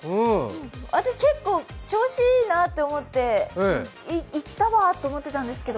私結構、調子いいなと思っていったわーと思ってたんですけど。